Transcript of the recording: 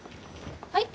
はい？